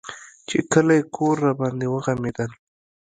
چې کلى کور راباندې وغمېدل.